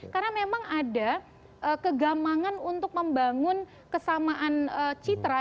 karena memang ada kegamangan untuk membangun kesamaan citra